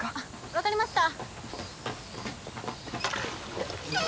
分かりました。